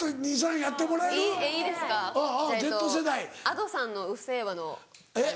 Ａｄｏさんの『うっせぇわ』の。えっ？